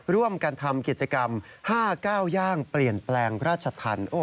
ร่วมกันทำกิจกรรม๕๙ย่างเปลี่ยนแปลงราชธรรม